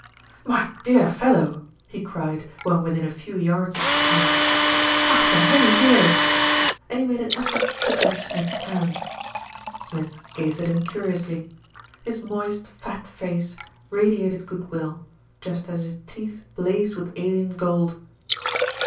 "My dear fellow!" he cried when within a few yards of Smith. "After many years!" and he made an effort to clutch Smith's hands. Smith gazed at him curiously. His moist, fat face radiated good will, just as his teeth blazed with alien gold.